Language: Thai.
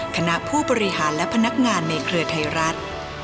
คณะผู้บริหารและพนักงานในเครือไทยรัฐ